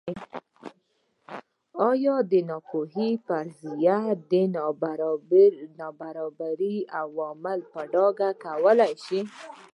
ایا د ناپوهۍ فرضیه د نابرابرۍ عوامل په ډاګه کولای شي.